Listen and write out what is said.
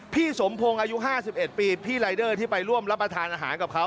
พี่สมพงศ์อายุ๕๑ปีพี่รายเดอร์ที่ไปร่วมรับประทานอาหารกับเขา